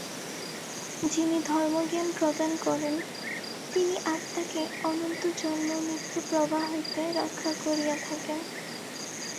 যিনি ধর্মজ্ঞান প্রদান করেন, তিনি আত্মাকে অনন্ত জন্ম-মৃত্যু-প্রবাহ হইতে রক্ষা করিয়া থাকেন।